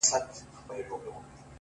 اوس مي د زړه پر تكه سپينه پاڼه؛